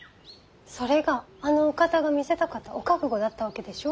それがあのお方が見せたかったお覚悟だったわけでしょ。